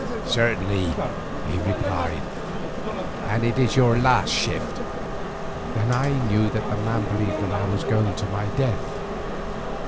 "Certainly," he replied; "and it is your last shift." Then I knew that the man believed that I was going to my death.